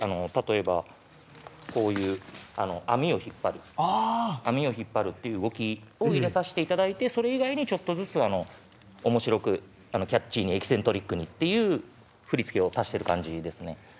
例えばこういうあみを引っぱるあみを引っぱるっていう動きを入れさしていただいてそれ以外にちょっとずつおもしろくキャッチーにエキセントリックにっていう振付を足してる感じですね。